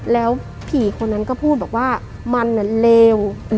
แล้วผีคนนั้นก็พูดบอกว่ามันเลว